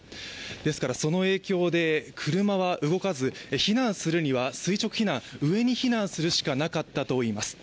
ですからその影響で、車は動かず避難するには垂直避難上に避難するしかなかったといいます。